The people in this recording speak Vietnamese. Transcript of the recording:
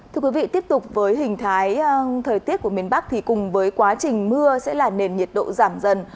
thưa quý vị tiếp tục với hình thái thời tiết của miền bắc thì cùng với quá trình mưa sẽ là nền nhiệt độ giảm dần